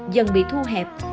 dần bị thu hẹp